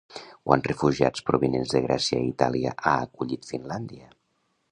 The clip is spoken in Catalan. Quants refugiats provinents de Grècia i Itàlia ha acollit Finlàndia?